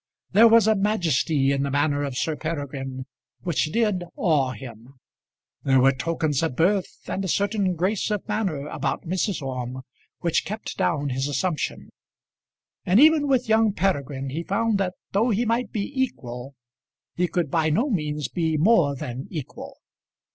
There was a majesty in the manner of Sir Peregrine which did awe him; there were tokens of birth and a certain grace of manner about Mrs. Orme which kept down his assumption; and even with young Peregrine he found that though he might be equal he could by no means be more than equal.